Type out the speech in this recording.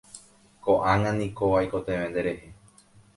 Ko'ág̃a niko aikotevẽ nderehe.